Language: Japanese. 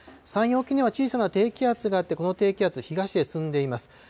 山陰沖には小さな低気圧があって、この低気圧、東へ進んでいます。